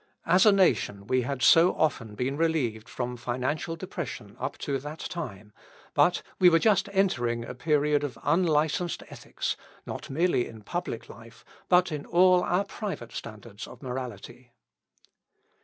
As a nation we had so often been relieved from financial depression up to that time, but, we were just entering a period of unlicensed ethics, not merely in public life, but in all our private standards of morality.